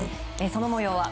その模様は